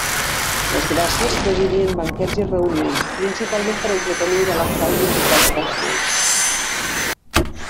Les Gràcies presidien banquets i reunions principalment per entretenir i delectar els invitats dels Déus.